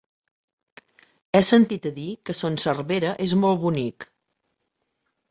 He sentit a dir que Son Servera és molt bonic.